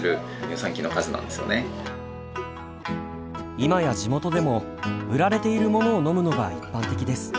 今や地元でも売られているものを飲むのが一般的です。